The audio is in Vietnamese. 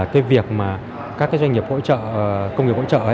cái việc mà các doanh nghiệp hỗ trợ công nghiệp hỗ trợ